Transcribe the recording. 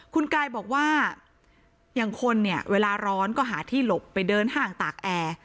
คุณกายบอกว่าอย่างคนเนี่ยเวลาร้อนก็หาที่หลบไปเดินห้างตากแอร์